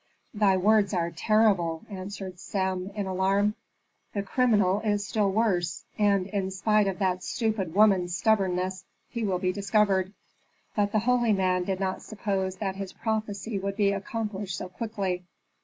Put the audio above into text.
"Thy words are terrible," answered Sem, in alarm. "The criminal is still worse, and, in spite of that stupid woman's stubbornness, he will be discovered." But the holy man did not suppose that his prophecy would be accomplished so quickly.